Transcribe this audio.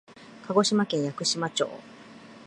鹿児島県屋久島町